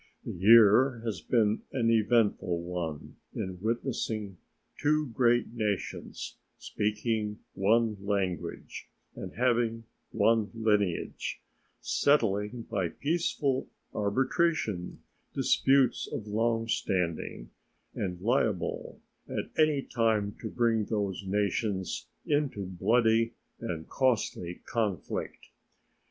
The year has been an eventful one in witnessing two great nations, speaking one language and having one lineage, settling by peaceful arbitration disputes of long standing and liable at any time to bring those nations into bloody and costly conflict.